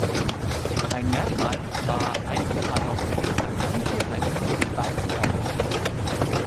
Ein Merkmal war Einzelradaufhängung an allen vier Reifen mit Wälzkörpergetriebe.